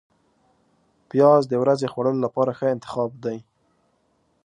پیاز د ورځې خوړلو لپاره ښه انتخاب دی